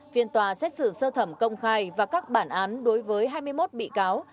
phiên tòa xét xử sơ thẩm công khai và các bản án đối với hai mươi một bị cáo